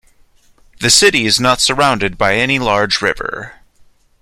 The city is not surrounded by any large river.